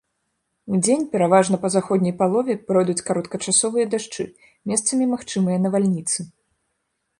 Удзень, пераважна па заходняй палове, пройдуць кароткачасовыя дажджы, месцамі магчымыя навальніцы.